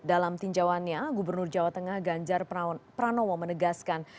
dalam tinjauannya gubernur jawa tengah ganjar pranowo menegaskan